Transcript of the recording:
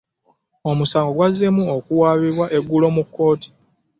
Omusango gwazzemu okuwabirwa eggulo mu kooti .